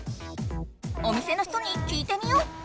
お店の人に聞いてみよう！